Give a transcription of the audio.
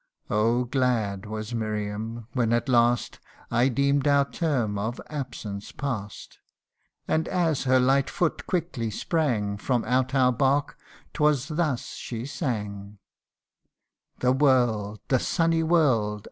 Oh ! glad was Miriam, when at last I deem'd our term of absence past : And as her light foot quickly sprang From out our bark, 'twas thus she sang :* The world ! the sunny world